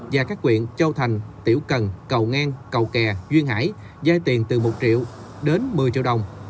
và các quyện châu thành tiểu cần cầu ngang cầu kè duyên hải dài tiền từ một triệu đến một mươi triệu đồng